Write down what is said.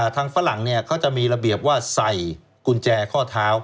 ฝรั่งเขาจะมีระเบียบว่าใส่กุญแจข้อเท้า